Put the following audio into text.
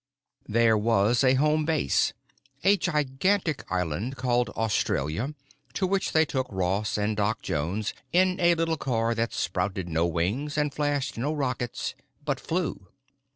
..... 14 THERE was a home base, a gigantic island called Australia, to which they took Ross and Doc Jones in a little car that sprouted no wings and flashed no rockets, but flew.